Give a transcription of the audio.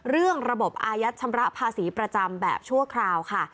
เรื่องระบบอายัดชำระภาษีประจำแบบชั่วคราวค่ะ